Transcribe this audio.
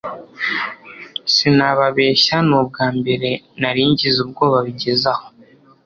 sinababeshya ni ubwambere naringize ubwoba bigeze aho